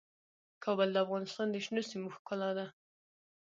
کابل د افغانستان د شنو سیمو ښکلا ده.